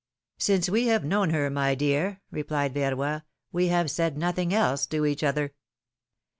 " Since we have known her, my dear," replied Verroy, ^^we have said nothing else to each other!"